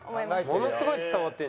ものすごい伝わってる。